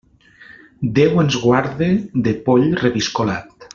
Déu ens guarde de poll reviscolat.